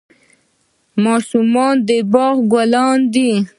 ماشومان د باغ ګلونه دي